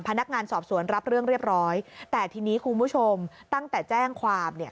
พนักงานสอบสวนรับเรื่องเรียบร้อยแต่ทีนี้คุณผู้ชมตั้งแต่แจ้งความเนี่ย